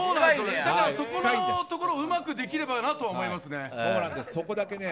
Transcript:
そこのところをうまくできればなと思います。